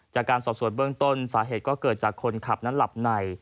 จากการสอบส่วนเบื้องต้นสาเหตุก็เกิดจากคนขับนั้นหลับใน